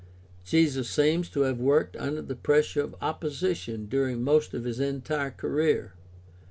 Jesus seems to have worked under the pressure of oppo sition during almost his entire career.